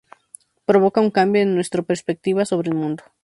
Provoca un cambio en nuestra perspectiva sobre el mundo.